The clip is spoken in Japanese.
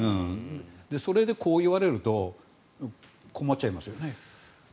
それでこう言われると困っちゃいますよね。